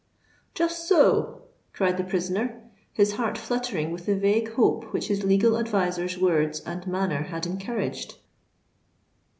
"Just so!" cried the prisoner, his heart fluttering with the vague hope which his legal adviser's words and manner had encouraged.